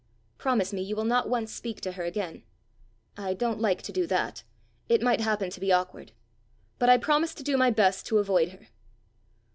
"Promise me you will not once speak to her again." "I don't like to do that: it might happen to be awkward. But I promise to do my best to avoid her."